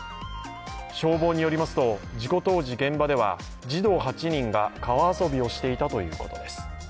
消防によりますと事故当時、現場では児童８人が川遊びをしていたということです。